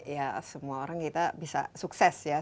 ya semua orang kita bisa sukses ya